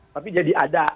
tapi jadi ada